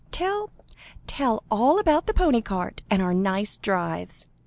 "Tell tell all about the pony cart, and our nice drives.